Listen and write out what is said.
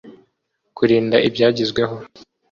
kurinda ibyagezweho